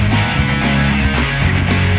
กลับมาที่นี่